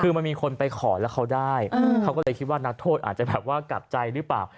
คือมันมีคนไปขอแล้วเขาได้เขาก็เลยคิดว่านักโทษอาจจะแบบว่ากลับใจหรือเปล่า